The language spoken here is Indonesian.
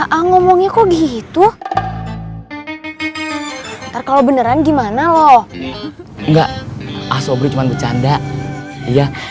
iya ngomongnya kok gitu ntar kalau beneran gimana loh enggak asobri cuman bercanda iya